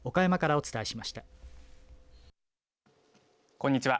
こんにちは。